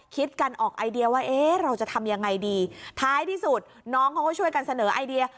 คิดกันออกไอเดียว่าเอ๊ะเราจะทำยังไงดีท้ายที่สุดน้องเขาก็ช่วยกันเสนอไอเดีย